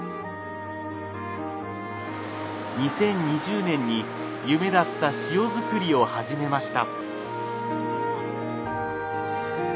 ２０２０年に夢だった塩づくりを始めました。